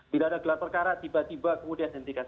tidak ada gelap perkara tiba tiba kemudian hentikan